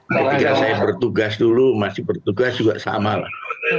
ketika saya bertugas dulu masih bertugas juga sama lah